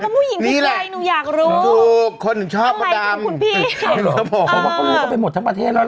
เพราะว่าพวกเขาอายุก็ไปหมดทั้งประเทศแล้วล่ะ